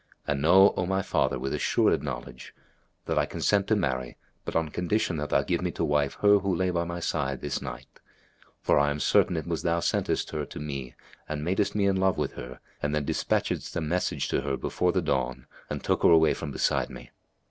And know, O my father, with assured knowledge, that I consent to marry, but on condition that thou give me to wife her who lay by my side this night; for I am certain it was thou sentest her to me and madest me in love with her and then despatchedst a message to her before the dawn and tookest her away from beside me."